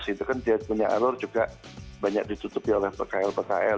itu kan dia punya alor juga banyak ditutupi oleh pkl pkl